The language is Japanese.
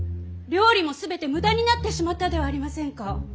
料理も全て無駄になってしまったではありませんか！